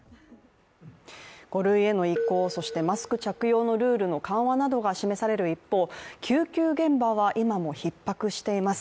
５類への移行、そしてマスク着用のルールの緩和などが示される一方救急現場は、今もひっ迫しています。